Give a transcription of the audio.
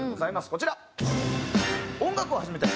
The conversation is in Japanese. こちら。